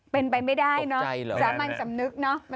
เป็นไปไม่ได้เนอะสามัญสำนึกเนอะ